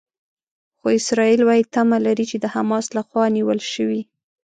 خو اسرائیل وايي تمه لري چې د حماس لخوا نیول شوي.